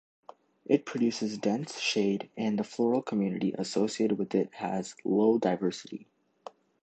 It produces dense shade and the floral community associated with it has low diversity.